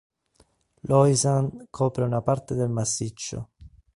L'Oisans copre una parte del massiccio.